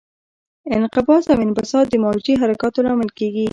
انقباض او انبساط د موجي حرکاتو لامل کېږي.